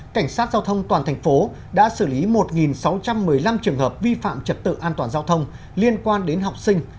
cảnh sát giao thông toàn thành phố đã xử lý một sáu trăm một mươi năm trường hợp vi phạm trật tự an toàn giao thông liên quan đến học sinh